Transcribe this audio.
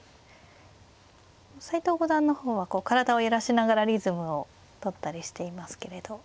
斎藤五段の方は体を揺らしながらリズムをとったりしていますけれど。